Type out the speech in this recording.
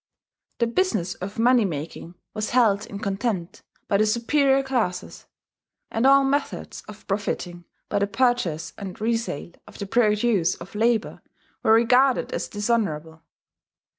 The business of money making was held in contempt by the superior classes; and all methods of profiting by the purchase and re sale of the produce of labour were regarded as dishonourable.